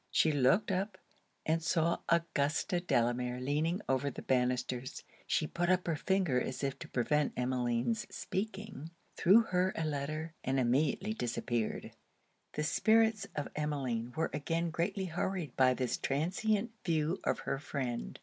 She looked up, and saw Augusta Delamere leaning over the bannisters; she put up her finger as if to prevent Emmeline's speaking, threw her a letter, and immediately disappeared. The spirits of Emmeline were again greatly hurried by this transient view of her friend.